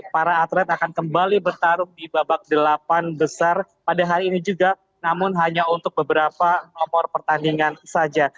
para atlet akan kembali bertarung di babak delapan besar pada hari ini juga namun hanya untuk beberapa nomor pertandingan saja